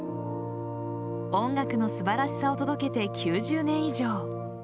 音楽の素晴らしさを届けて９０年以上。